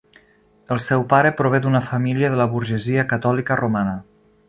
El seu pare prové d'una família de la burgesia catòlica romana.